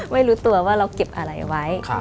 ไม่รู้ตัวว่าเราเก็บอะไรไว้